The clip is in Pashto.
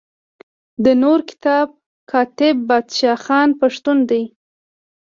د نور کتاب کاتب بادشاه خان پښتون دی.